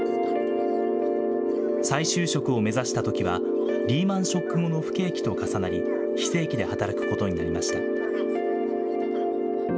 再就職を目指したときは、リーマンショック後の不景気と重なり、非正規で働くことになりました。